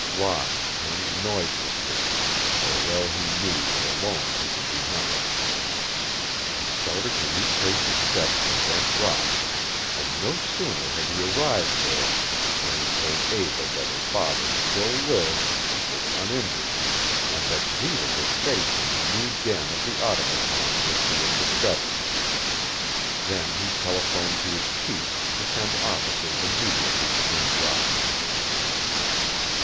Locke turned noiselessly, for well he knew that alone he could do nothing. He started to retrace his steps to Brent Rock, and no sooner had he arrived there than he told Eva that her father still lived and was uninjured, and that Zita was safe in the new den of the Automaton which he had discovered. Then he telephoned to his chief to send officers immediately to Brent Rock.